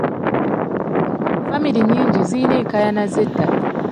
Famire nnyingi zirina enkaayana z'ettaka.